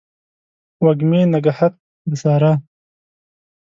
وږمې نګهت د سارا